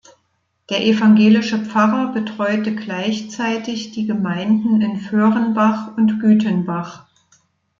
Der evangelische Pfarrer betreute gleichzeitig die Gemeinden in Vöhrenbach und Gütenbach.